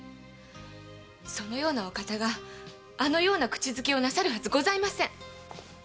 そのようなお方があのような口づけなさるはずございません。